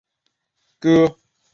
戈纳盖小教堂人口变化图示